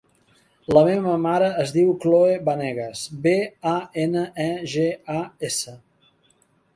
La meva mare es diu Khloe Banegas: be, a, ena, e, ge, a, essa.